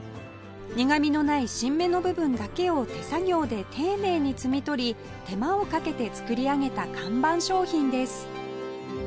苦みのない新芽の部分だけを手作業で丁寧に摘み取り手間をかけて作り上げた看板商品です